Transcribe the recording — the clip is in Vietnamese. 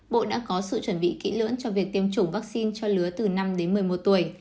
bộ đã có sự chuẩn bị kỹ lưỡng cho việc tiêm chủng vaccine cho lứa từ năm đến một mươi một tuổi